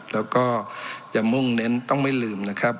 แล้วก็จะมุ่งเน้นต้องไม่ลืมนะครับ